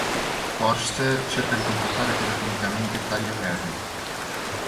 Forster cerca di contattare telefonicamente Tagliaferri.